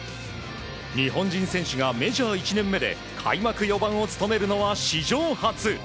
日本人選手がメジャー１年目で開幕４番を務めるのは史上初。